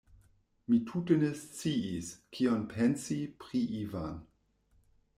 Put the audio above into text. Mi tute ne sciis, kion pensi pri Ivan.